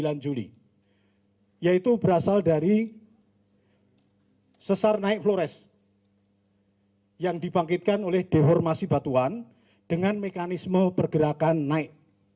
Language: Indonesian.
bulan juli yaitu berasal dari sesar naik flores yang dibangkitkan oleh deformasi batuan dengan mekanisme pergerakan naik